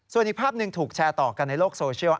ส่วนอีกภาพหนึ่งถูกแชร์ต่อกันในโลกโซเชียล